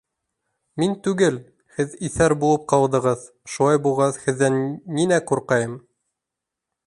Мин түгел, һеҙ иҫәр булып ҡалдығыҙ, шулай булғас, һеҙҙән ниңә ҡурҡайым?